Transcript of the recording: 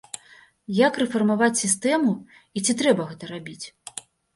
Як рэфармаваць сістэму і ці трэба гэта рабіць?